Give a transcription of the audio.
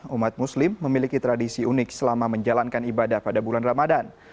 umat muslim memiliki tradisi unik selama menjalankan ibadah pada bulan ramadan